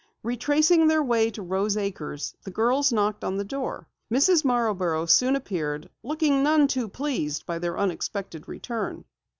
Retracing their way to Rose Acres, the girls knocked on the door. Mrs. Marborough soon appeared, looking none too pleased by their unexpected return.